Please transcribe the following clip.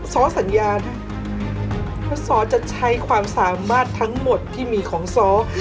ซ้อสัญญาด้วยเพราะซ้อจะใช้ความสามารถทั้งหมดที่มีของซ้อ